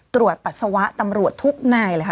ปัสสาวะตำรวจทุกนายเลยค่ะ